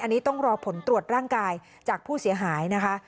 อันนี้ต้องรอผลตรวจร่างกายจากผู้เสียหายนะคะ